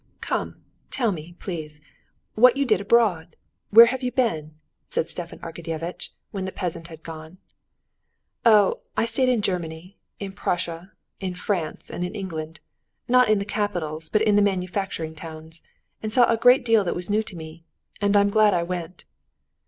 "Come, tell me, please, what you did abroad? Where have you been?" said Stepan Arkadyevitch, when the peasant had gone. "Oh, I stayed in Germany, in Prussia, in France, and in England—not in the capitals, but in the manufacturing towns, and saw a great deal that was new to me. And I'm glad I went."